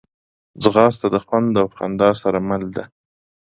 ځغاسته د خوند او خندا سره مل ده